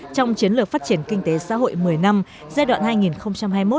trong chiến lược phát triển kinh tế xã hội một mươi năm giai đoạn hai nghìn hai mươi một hai nghìn hai mươi